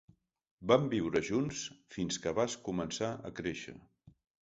Vam viure-hi junts fins que vas començar a créixer.